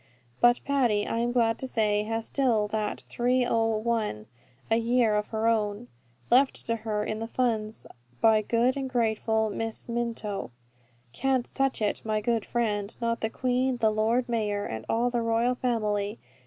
But Patty, I am glad to say, has still that 30*l.* a year of her own, left to her in the funds by good and grateful Miss Minto. "Can't touch it, my good friend, not the Queen, the Lord Mayor, and all the royal family.